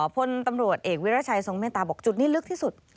พลตำรวจเอกวิรัชัยทรงเมตตาบอกจุดนี้ลึกที่สุด